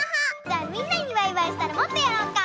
じゃあみんなにバイバイしたらもっとやろうか。